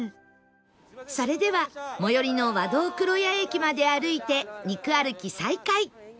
それでは最寄りの和銅黒谷駅まで歩いて肉歩き再開